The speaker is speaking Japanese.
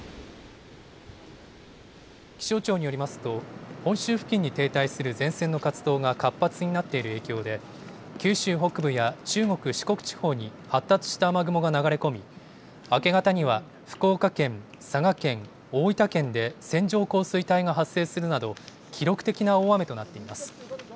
気象庁によりますと、本州付近に停滞する前線の活動が活発になっている影響で、九州北部や中国、四国地方に発達した雨雲が流れ込み、明け方には福岡県、佐賀県、大分県で線状降水帯が発生するなど、記録的な大雨となっています。